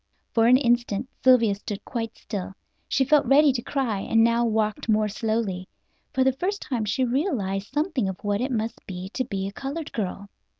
For an instant Sylvia stood quite still. She felt ready to cry, and now walked more slowly. For the first time she realized something of what it must be to be a colored girl.